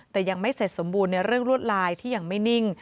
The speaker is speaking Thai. แต่ยังไม่เสร็จสมบูรณ์ในเรื่องลวดลายที่ยังไม่นิ่ง